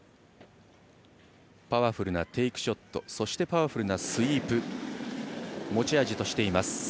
パワフルなテイクショットそしてパワフルなスイープを持ち味としています